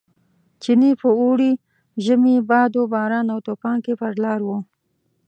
چیني په اوړي، ژمي، باد و باران او توپان کې پر لار و.